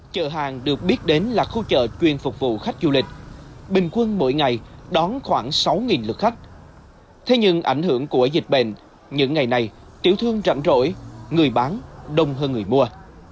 chợ hàng được biết đến là khu chợ chuyên phục vụ khách du lịch bình quân mỗi ngày đón khoảng sáu lượt khách thế nhưng ảnh hưởng của dịch bệnh những ngày này tiểu thương rẫn rỗi người bán đông hơn người mua